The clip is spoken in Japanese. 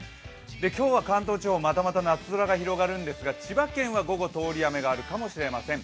今日は関東地方、またまた夏空が広がるんですが千葉県は午後、通り雨があるかもしれません。